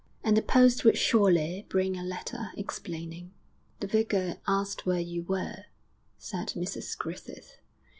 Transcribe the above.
And the post would surely bring a letter, explaining. 'The vicar asked where you were,' said Mrs Griffith.